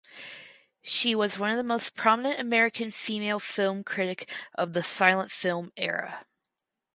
She was the most prominent American female film critic of the silent film era.